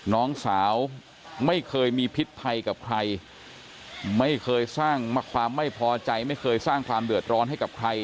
น้องสาวไม่เคยมีพิษภัยกับใครไม่เคยสร้างความไม่พอใจไม่เคยสร้างความเดือดร้อนให้กับใคร